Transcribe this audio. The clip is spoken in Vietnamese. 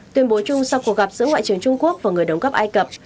tuyên bố chung sau cuộc gặp giữa ngoại trưởng trung quốc và người đồng cấp ai cập